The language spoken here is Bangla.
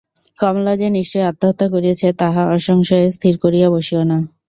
কমলা যে নিশ্চয়ই আত্মহত্যা করিয়াছে তাহা অসংশয়ে স্থির করিয়া বসিয়ো না।